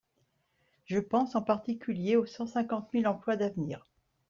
Je pense en particulier aux cent cinquante mille emplois d’avenir.